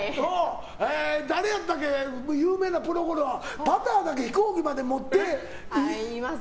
誰やったっけ、有名なプロゴルファーパターだけ飛行機まで持って。